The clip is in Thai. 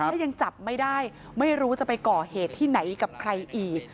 ถ้ายังจับไม่ได้ไม่รู้จะไปก่อเหตุที่ไหนกับใครอีก